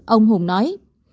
ông hùng nói